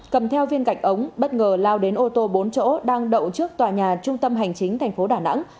cầm theo viên gạch ống bất ngờ lao đến ô tô bốn chỗ đang đậu trước tòa nhà trung tâm hành chính thành phố đà nẵng